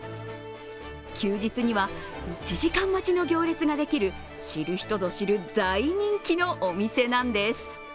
休日には、１時間待ちの行列ができる知る人ぞ知る大人気のお店なんです。